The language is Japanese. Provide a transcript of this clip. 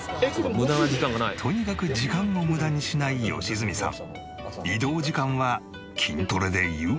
とにかく時間を無駄にしない良純さん。